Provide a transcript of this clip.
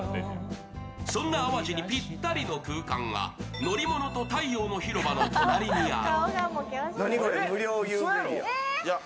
そんな淡路にピッタリの空間がのりものと太陽の広場の隣にある。